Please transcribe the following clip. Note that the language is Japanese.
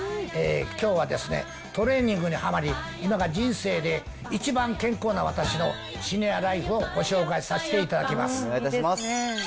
きょうはですね、トレーニングにはまり、今が人生で一番健康な私のシニアライフをご紹介させていただきます。